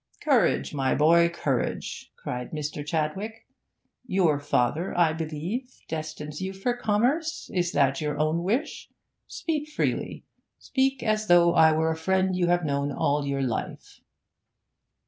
'Courage, my boy, courage!' cried Mr. Chadwick. 'Your father, I believe, destines you for commerce. Is that your own wish? Speak freely. Speak as though I were a friend you have known all your life.'